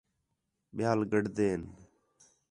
ٻِیال گڈدے ہین